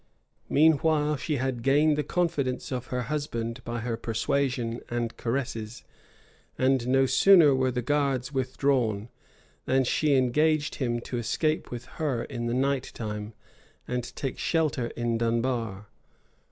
Meanwhile she had gained the confidence of her husband by her persuasion and caresses and no sooner were the guards withdrawn, than she engaged him to escape with her in the night time, and take shelter in Dunbar.